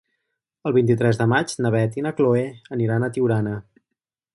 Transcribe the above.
El vint-i-tres de maig na Beth i na Chloé aniran a Tiurana.